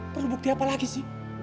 perlu bukti apa lagi sih